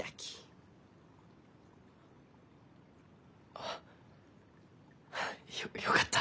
はあよよかった。